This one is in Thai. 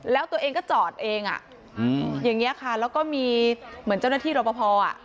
แล้วตัวเองก็จอดเองอ่ะอย่างนี้ค่ะแล้วก็มีเหมือนเจ้าหน้าที่รอปภอ่ะ